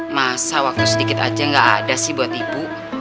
masa waktu sedikit aja nggak ada sih buat ibu